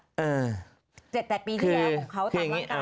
อ่า๗๘ปีที่แล้วผมเขาถามว่าตายเนี่ย